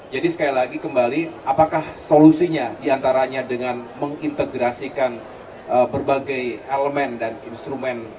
jadi sekali lagi kembali apakah solusinya diantaranya dengan mengintegrasikan berbagai elemen dan instrumen